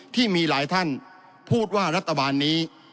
ที่มีหลายท่านพูดว่ารัฐบาลนี้